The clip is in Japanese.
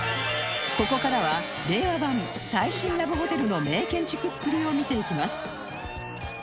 ここからは令和版最新ラブホテルの名建築っぷりを見ていきます